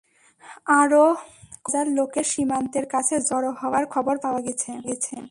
আরও কয়েক হাজার লোকের সীমান্তের কাছে জড়ো হওয়ার খবর পাওয়া গেছে।